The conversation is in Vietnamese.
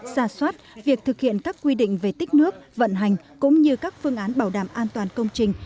xa xoát việc thực hiện các quy định về tích nước vận hành cũng như các phương án bảo đảm an toàn công trình